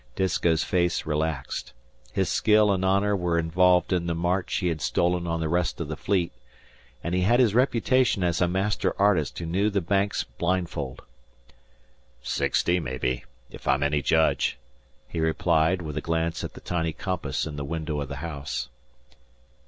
Disko's face relaxed. His skill and honour were involved in the march he had stolen on the rest of the Fleet, and he had his reputation as a master artist who knew the Banks blindfold. "Sixty, mebbe ef I'm any judge," he replied, with a glance at the tiny compass in the window of the house.